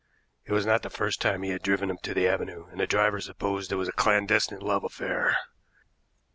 It was not the first time he had driven him to the avenue, and the driver supposed it was a clandestine love affair.